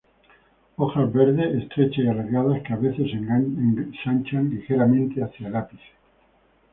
Hojas verdes, estrechas y alargadas que a veces se ensanchan ligeramente hacia el ápice.